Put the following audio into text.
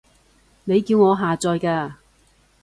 你叫我下載嘅